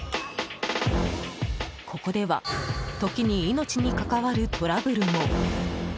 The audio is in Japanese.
ここでは時に命に関わるトラブルも。